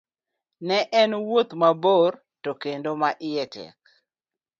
Ne en wuoth mabor to kendo ma iye tek